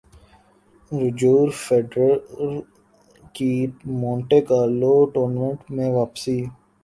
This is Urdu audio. روجر فیڈرر کی مونٹے کارلو ٹورنامنٹ میں واپسی